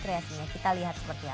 kreasinya kita lihat seperti apa